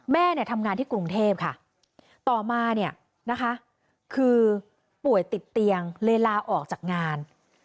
แม่เนี่ยทำงานที่กรุงเทพค่ะต่อมาเนี่ยนะคะคือป่วยติดเตียงเลยลาออกจากงาน